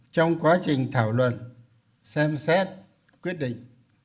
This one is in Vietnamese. trong quá trình thảo luận xem xét quyết định